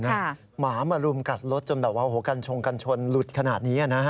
หมามารุมกัดรถจนแบบว่าโอ้โหกัญชงกันชนหลุดขนาดนี้นะฮะ